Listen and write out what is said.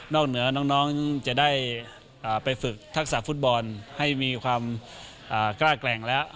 เหนือน้องจะได้ไปฝึกทักษะฟุตบอลให้มีความกล้าแกร่งแล้ว